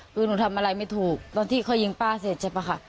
คือหนูทำอะไรไม่ถูกตอนที่เขายิงป้าเสร็จใช่ป่ะค่ะ